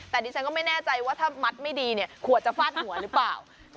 แต่ดิฉันก็ไม่แน่ใจว่าถ้ามัดไม่ดีเนี่ยขวดจะฟาดหัวหรือเปล่า